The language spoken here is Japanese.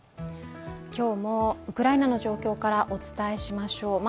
今日もウクライナの状況からお伝えしましょう。